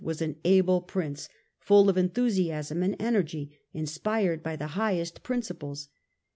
was an able Prince, full of enthusiasm and energy inspired by the highest principles.